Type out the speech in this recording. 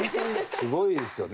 すごいですよね。